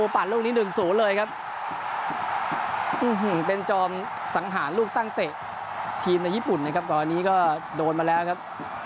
เป็นจอมสังหารลูกตั้งแต่ทีมในญี่ปุ่นนะครับก่อนอันนี้ก็โดนมาแล้วครับ